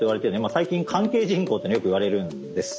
最近「関係人口」っていうのをよく言われるんです。